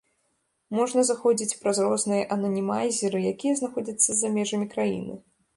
Можна заходзіць праз розныя ананімайзеры, якія знаходзяцца за межамі краіны.